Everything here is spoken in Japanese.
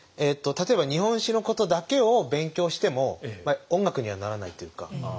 例えば日本史のことだけを勉強しても音楽にはならないというか。